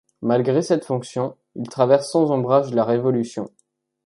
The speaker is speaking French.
Malgré cette fonction, il traverse sans ombrage la Révolution.